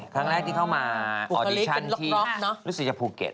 ครั้งแรกที่เข้ามาออดิชันที่ฟูเก็ตรู้สึกจะฟูเก็ต